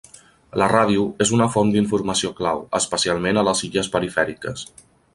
La ràdio és una font d"informació clau, especialment a les illes perifèriques.